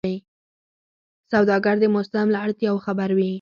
سوداګر د موسم له اړتیاوو خبر وي.